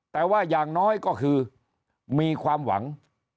แต่ว่าอย่างน้อยก็คือมีความหวัง